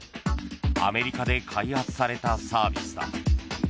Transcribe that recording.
アメリカで開発されたサービスだ。